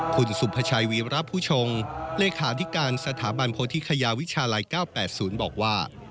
คุณสุภาชัยวีรผู้ชงเลขาธิการสถาบันโพธิคยาวิชาลัย๙๘๐บอกว่า